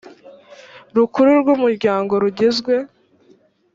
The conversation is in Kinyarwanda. rukuru rw umuryango rugizwe